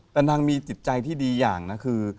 แต่นางมีจิตใจที่ดีอย่างนะคือ